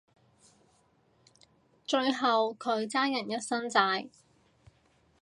最後佢爭人一身債